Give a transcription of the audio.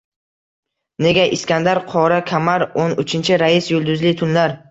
— Nega? “Iskandar”, “Qora kamar”, “O‘n uchinchi rais”, “Yulduzli tunlar”…